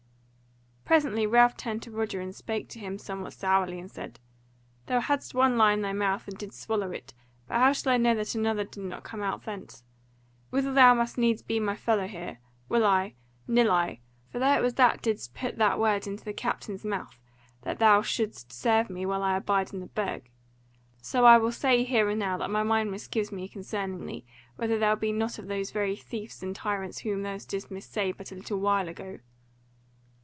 Presently Ralph turned to Roger and spake to him somewhat sourly, and said: "Thou hadst one lie in thy mouth and didst swallow it; but how shall I know that another did not come out thence? Withal thou must needs be my fellow here, will I, nill I; for thou it was that didst put that word into the captain's mouth that thou shouldst serve me while I abide in the Burg. So I will say here and now, that my mind misgives me concerning thee, whether thou be not of those very thieves and tyrants whom thou didst mis say but a little while ago."